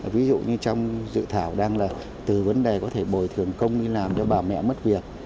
ví dụ như trong dự thảo đang là từ vấn đề có thể bồi thường công đi làm cho bà mẹ mất việc